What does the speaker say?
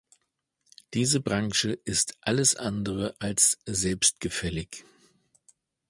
Diese Branche ist alles andere als selbstgefällig.